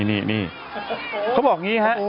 นี่นี่เขาบอกงี้ฮะ